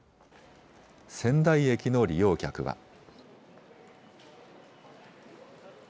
仙台駅の利用客は。